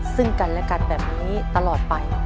ซึ่งกันและกันแบบนี้ตลอดไป